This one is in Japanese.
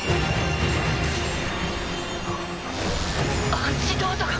アンチドートが。